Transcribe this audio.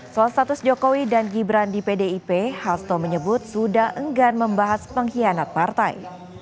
soal status jokowi dan gibran di pdip hasto menyebut sudah enggan membahas pengkhianat partai